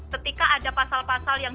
ketika ada pasal pasal yang